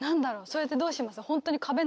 そう言ってどうします？